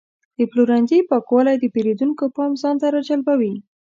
د پلورنځي پاکوالی د پیرودونکو پام ځان ته راجلبوي.